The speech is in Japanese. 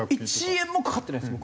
１円もかかってないです